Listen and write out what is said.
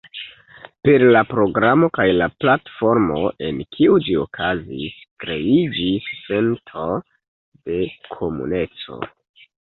Per la programo kaj la platformo en kiu ĝi okazis, kreiĝis sento de komuneco.